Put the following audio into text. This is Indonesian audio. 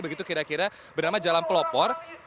begitu kira kira bernama jalan pelopor